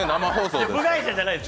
部外者じゃないです。